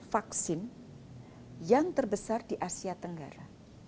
vaksin yang terbesar di asia tenggara